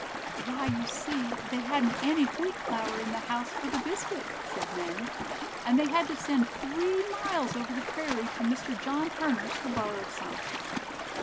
"Why, you see, they hadn't any wheat flour in the house for the biscuit," said Nanny, "and they had to send three miles over the prairie to Mr. John Turner's to borrow some."